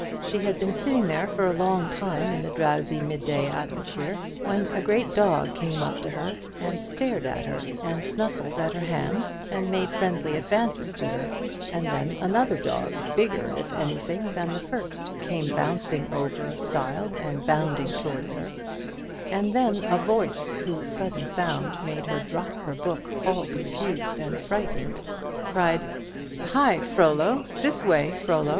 She had been sitting there for a long time in the drowsy midday atmosphere, when a great dog came up to her, and stared at her, and snuffed at her hands, and made friendly advances to her; and then another dog, bigger, if anything, than the first, came bouncing over a stile and bounding towards her; and then a voice, whose sudden sound made her drop her book all confused and frightened, cried, "Hi, Frollo! this way, Frollo."